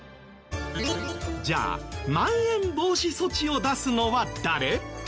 じゃあまん延防止措置を出すのは誰？